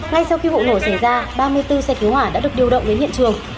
ngay sau khi vụ nổ xảy ra ba mươi bốn xe cứu hỏa đã được điều động đến hiện trường